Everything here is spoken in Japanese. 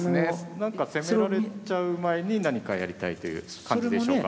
なんか攻められちゃう前に何かやりたいという感じでしょうか。